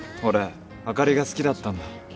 俺あかりが好きだったんだ。